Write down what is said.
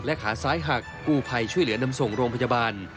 ขาซ้ายหักกู้ภัยช่วยเหลือนำส่งโรงพยาบาล